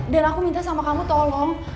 dan aku minta sama kamu tolong